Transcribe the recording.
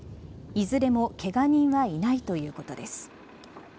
いずれもけが人はいないということです。